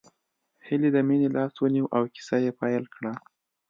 هيلې د مينې لاس ونيو او کيسه يې پيل کړه